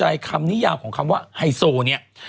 ที่มีนามสกุลที่